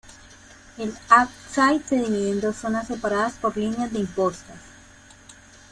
El ábside se divide en dos zonas separadas por líneas de impostas.